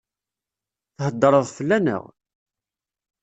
Theddṛeḍ fell-aneɣ?